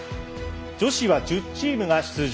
女子は１０チームが出場。